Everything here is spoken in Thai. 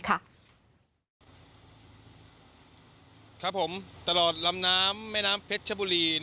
ครับผมตลอดลำน้ำแม่น้ำเพชรชบุรี